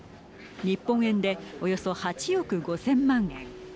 日本円でおよそ８億５０００万円。